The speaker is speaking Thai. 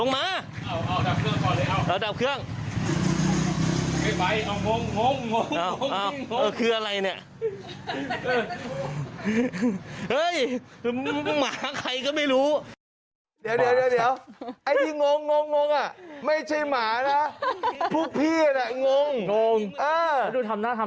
ไม่มาไงอ่ะรถมันโห